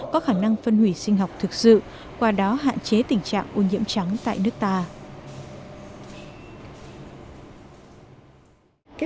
có khả năng phân hủy sinh học thực sự qua đó hạn chế tình trạng ô nhiễm trắng tại nước ta